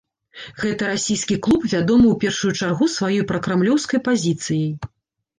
Гэты расійскі клуб вядомы ў першую чаргу сваёй пракрамлёўскай пазіцыяй.